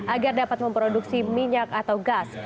agar dapat memproduksi minyak atau gas